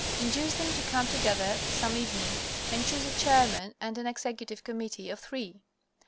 Induce them to come together some evening and choose a chairman and an executive committee of three.